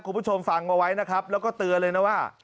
คุณผู้ชมฟังเอาไว้นะครับแล้วก็เตือนเลยนะว่า